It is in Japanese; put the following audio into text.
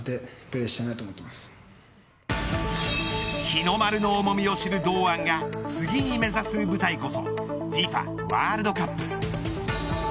日の丸の重みを知る堂安が次に目指す舞台こそＦＩＦＡワールドカップ。